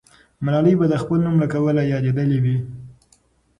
ملالۍ به د خپل نوم له کبله یادېدلې وي.